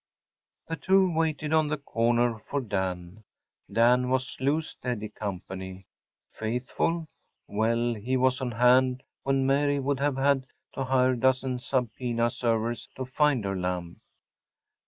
The two waited on the corner for Dan. Dan was Lou’s steady company. Faithful? Well, he was on hand when Mary would have had to hire a dozen subpoena servers to find her lamb.